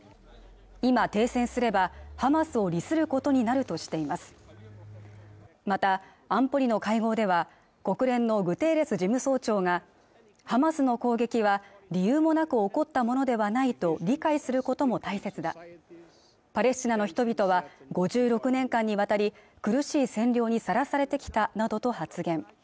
今、停戦すればハマスを利することになるとしていますまた安保理の会合では国連のグテーレス事務総長がハマスの攻撃は理由もなく起こったものではないと理解することも大切だパレスチナの人々は５６年間にわたり苦しい占領にさらされてきたなどと発言